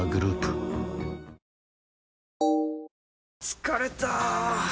疲れた！